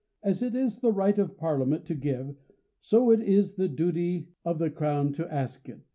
As it is the right of Parliament to give, so it is the duty of the crown to ask it.